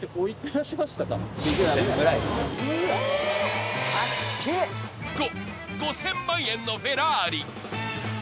［ごっ５，０００万円のフェラーリ！］